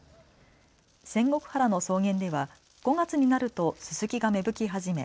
仙石原の草原では５月になるとすすきが芽吹き始め